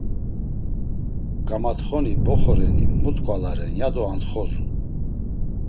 Gamatxoni boxo reni mu tkvalaren ya do atxozu.